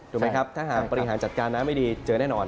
ถูกไหมครับถ้าหากบริหารจัดการน้ำไม่ดีเจอแน่นอน